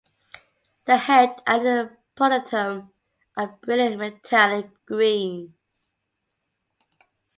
The head and the pronotum are brilliant metallic green.